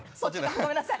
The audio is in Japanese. ごめんなさい！